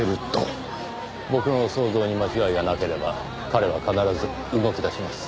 僕の想像に間違いがなければ彼は必ず動き出します。